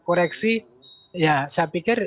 koreksi ya saya pikir